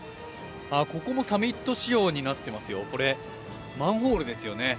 ここもサミット仕様になってますよ、これマンホールですよね。